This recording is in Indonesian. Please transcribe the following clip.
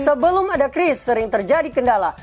sebelum ada kris sering terjadi kendala